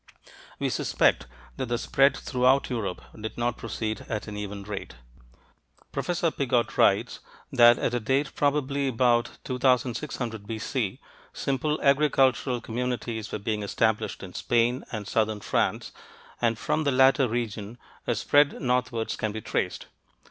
We suspect that the spread throughout Europe did not proceed at an even rate. Professor Piggott writes that "at a date probably about 2600 B.C., simple agricultural communities were being established in Spain and southern France, and from the latter region a spread northwards can be traced